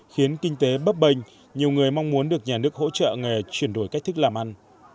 khiến kinh tế bấp bênh nhiều người mong muốn được nhà nước hỗ trợ nghề chuyển đổi cách thức làm ăn